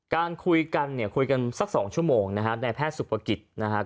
การคุยกันเนี่ยคุยกันสัก๒ชั่วโมงนะฮะในแพทย์สุภกิจนะครับ